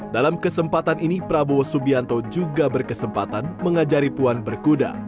dalam kesempatan ini prabowo subianto juga berkesempatan mengajari puan berkuda